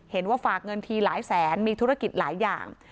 ฝากเงินทีหลายแสนมีธุรกิจหลายอย่าง